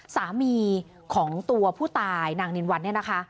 สามีของตัวผู้ตายนางนินวันเนี่ยนะคะ